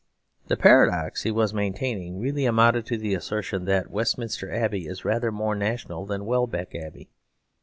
The paradox he was maintaining really amounted to the assertion that Westminster Abbey is rather more national than Welbeck Abbey.